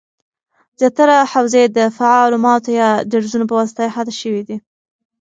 زیاتره حوزې د فعالو ماتو یا درزونو پواسطه احاطه شوي دي